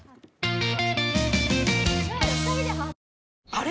あれ？